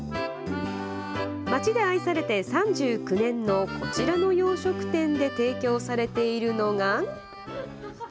まちで愛されて３９年のこちらの洋食店で提供されているのが？